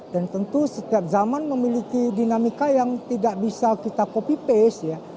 dan tentu setiap zaman memiliki dinamika yang tidak bisa kita copy paste ya